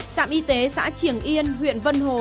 trạm y tế xã triển yên huyện vân hồ